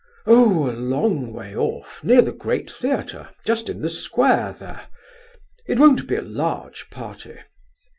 "Oh, a long way off, near the Great Theatre, just in the square there—It won't be a large party."